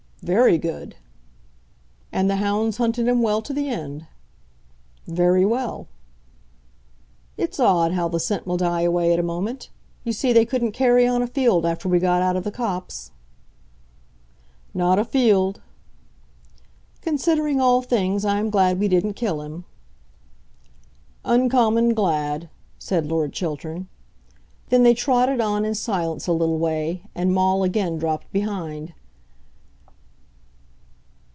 "Very good." "And the hounds hunted him well to the end." "Very well." "It's odd how the scent will die away at a moment. You see they couldn't carry on a field after we got out of the copse." "Not a field." "Considering all things I am glad we didn't kill him." "Uncommon glad," said Lord Chiltern. Then they trotted on in silence a little way, and Maule again dropped behind.